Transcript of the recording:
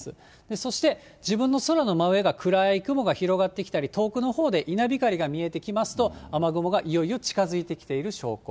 そして自分の空の真上が暗い雲が広がってきたリ、遠くのほうで稲光が見えてきますと、雨雲がいよいよ近づいてきている証拠。